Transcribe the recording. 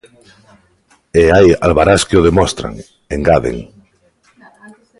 "E hai albarás que o demostran", engaden.